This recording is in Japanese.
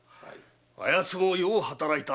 あやつもよう働いた。